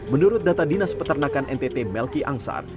menurut data dinas peternakan ntt melki angsar